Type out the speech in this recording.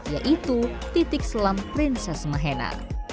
yaitu titik selam princes mahena